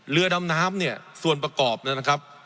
เรือดำน้ำเนี่ยส่วนประกอบเนี่ยนะครับ